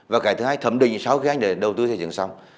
và cái thứ hai thẩm định sau khi anh để đầu tư xây dựng xong